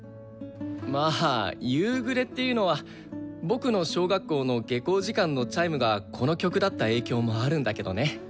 まあ「夕暮れ」っていうのは僕の小学校の下校時間のチャイムがこの曲だった影響もあるんだけどね。